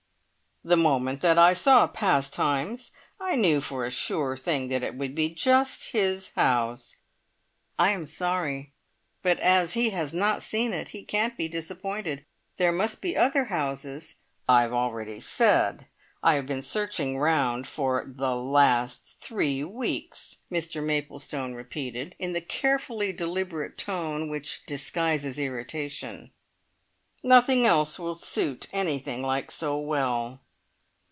"The moment that I saw Pastimes I knew for a sure thing that it would be just his house " "I am sorry, but as he has not seen it, he can't be disappointed. There must be other houses " "I have already said I have been searching round for the last three weeks," Mr Maplestone repeated, in the carefully deliberate tone which disguises irritation. "Nothing else will suit anything like so well."